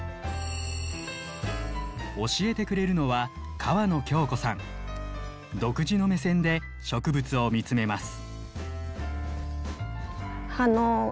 教えてくれるのは独自の目線で植物を見つめます。